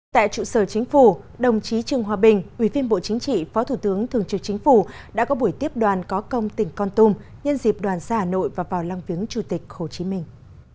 tại trụ sở chính phủ đồng chí trương hòa bình ủy viên bộ chính trị phó thủ tướng thường trực chính phủ đã có buổi tiếp đoàn có công tỉnh con tum nhân dịp đoàn xa hà nội và vào lăng viếng chủ tịch hồ chí minh